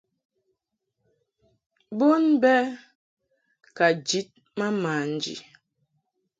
Bon bɛ ka njid ma manji.